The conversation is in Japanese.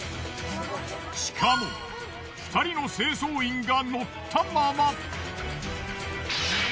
しかも２人の清掃員が乗ったまま。